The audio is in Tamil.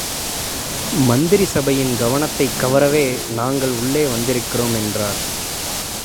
மந்திரி சபையின் கவனத்தைக் கவரவே நாங்கள் உள்ளே வந்திருக்கிறோம் என்றார்.